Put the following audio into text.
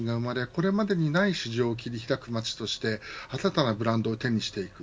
これまでにない市場を切り開く街として新たなブランドを手にしていく。